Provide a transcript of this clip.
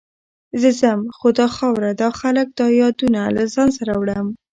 زه ځم، خو دا خاوره، دا خلک، دا یادونه له ځان سره وړم.